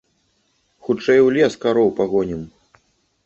Хутчэй у лес кароў пагонім!